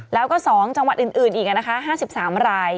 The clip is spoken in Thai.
แล้วก็๒จังหวัดอื่นอีก๕๓ราย